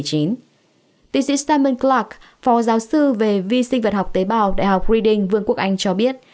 tiến sĩ simon clark phò giáo sư về vi sinh vật học tế bào đại học reading vương quốc anh cho biết